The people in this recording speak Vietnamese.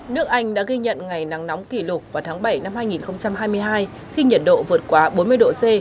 nước anh đã ghi nhận ngày nắng nóng kỷ lục vào tháng bảy năm hai nghìn hai mươi hai khi nhiệt độ vượt quá bốn mươi độ c